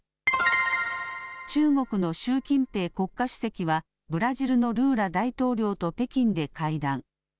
中国の習近平国家主席は、ブラジルのルーラ大統領と北京で会談。